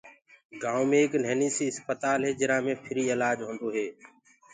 گائونٚ مي ايڪ نهيني سي اسپتال هي جرا مي ڦري اِلآج هوندو هي۔